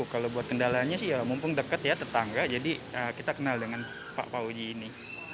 kalau buat kendalanya mumpung dekat ya tetangga jadi kita kenal dengan pak fauzi ini